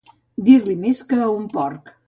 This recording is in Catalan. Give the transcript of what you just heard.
Dir-li més que a un porc.